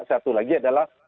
satu lagi adalah